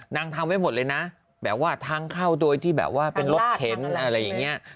ทำไว้หมดเลยนะแบบว่าทางเข้าโดยที่แบบว่าเป็นรถเข็นอะไรอย่างนี้